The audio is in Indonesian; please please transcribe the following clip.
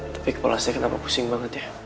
tapi kepala saya kenapa pusing banget ya